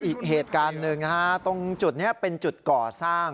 อีกเหตุการณ์หนึ่งนะฮะตรงจุดนี้เป็นจุดก่อสร้าง